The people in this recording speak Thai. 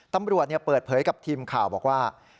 ตำรวจเปิดเผยกับทีมข่าวบอกว่า